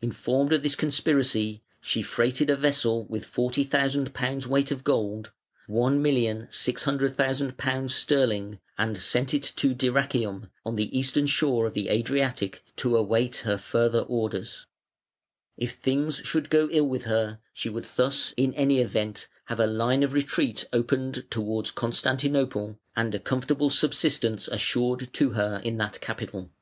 Informed of this conspiracy, she freighted a vessel with forty thousand pounds' weight of gold (£1,6000,000) and sent it to Dyrrhachium, on the eastern shore of the Adriatic, to await her further orders. If things should go ill with her she would thus, in any event, have a line of retreat opened towards Constantinople and a comfortable subsistence assured to her in that capital.